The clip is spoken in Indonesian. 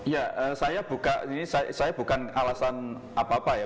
ya saya buka ini saya bukan alasan apa apa ya